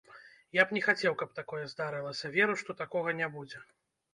Я б не хацеў, каб такое здарылася, веру, што такога не будзе.